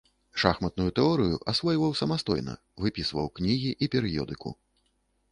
Шахматную тэорыю асвойваў самастойна, выпісваў кнігі і перыёдыку.